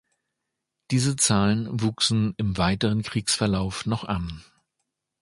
Diese Zahlen wuchsen im weiteren Kriegsverlauf noch an.